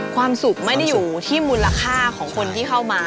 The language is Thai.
ความสุขไม่ได้อยู่ที่มูลค่าของคนที่เข้ามา